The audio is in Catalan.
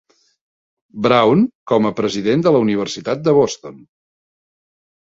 Brown com a president de la universitat de Boston.